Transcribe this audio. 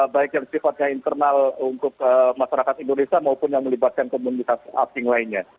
baik yang sifatnya internal untuk masyarakat indonesia maupun yang melibatkan komunitas asing lainnya